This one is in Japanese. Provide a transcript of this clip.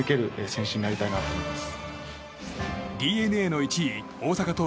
ＤｅＮＡの１位、大阪桐蔭